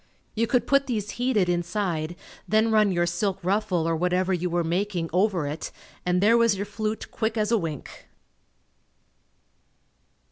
You could put these heated, inside then run your silk ruffle or whatever you were making over it and there was your flute quick as a wink.